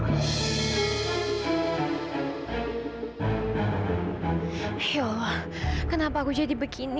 ya allah kenapa aku jadi begini